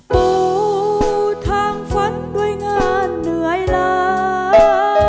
ปูทางฝันด้วยงานเหนื่อยลา